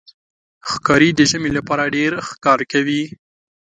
ښکاري د ژمي لپاره ډېر ښکار کوي.